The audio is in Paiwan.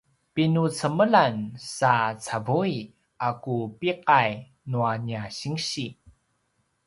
pinucemelan sa cavui a ku pi’ay nua nia sinsi